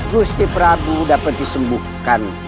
gusti prabu dapat disembuhkan